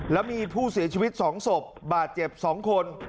แล้วมีผู้เสียชีวิต๒ศพบาดเจ็บ๒คน